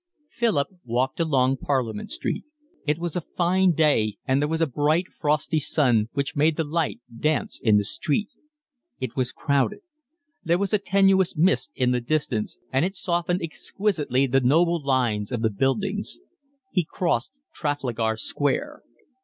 Philip walked along Parliament Street. It was a fine day, and there was a bright, frosty sun which made the light dance in the street. It was crowded. There was a tenuous mist in the distance, and it softened exquisitely the noble lines of the buildings. He crossed Trafalgar Square.